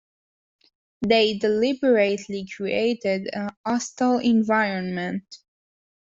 They deliberately created a hostile environment